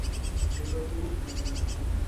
بے وقوف نہیں۔